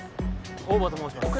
大庭と申します